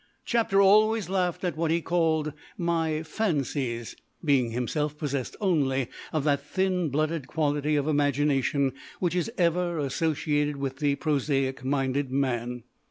Chapter always laughed at what he called my "fancies", being himself possessed only of that thin blooded quality of imagination which is ever associated with the prosaic minded man.